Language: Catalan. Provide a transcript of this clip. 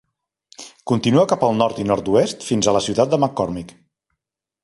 Continua cap al nord i nord-oest fins a la ciutat de McCormick.